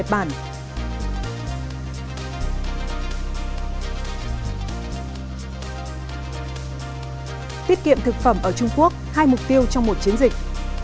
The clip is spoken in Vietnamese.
tiết kiệm thực phẩm ở trung quốc hai mục tiêu trong một chiến dịch